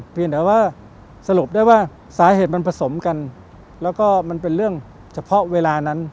เพียงแต่ว่าสรุปได้ว่าสาเหตุมันผสมกันแล้วก็มันเป็นเรื่องเฉพาะเวลานั้น